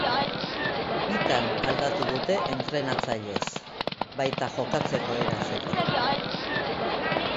Bitan aldatu dute entrenatzailez, baita jokatzeko eraz ere.